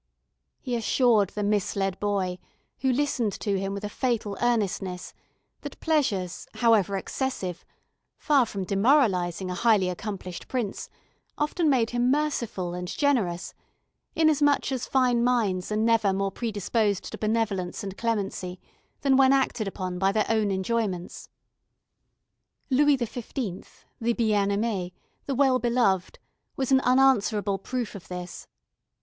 He assured the misled boy, who listened to him with a fatal earnestness, that pleasures, however excessive, far from demoralising a highly accomplished prince, often made him merciful and generous, inasmuch as fine minds are never more predisposed to benevolence and clemency than when acted upon by their own enjoyments. Louis XV., the bien aimé, the well beloved, was an unanswerable proof of this.